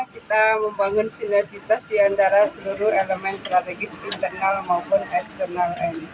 kita membangun sinergitas di antara seluruh elemen strategis internal maupun eksternal